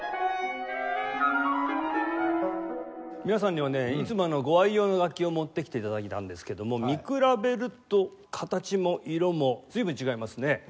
皆さんにはねいつもご愛用の楽器を持ってきて頂いたんですけども見比べると形も色も随分違いますね。